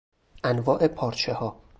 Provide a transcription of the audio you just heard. انواع پارچهها